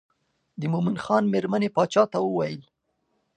د مومن خان مېرمنې باچا ته وویل.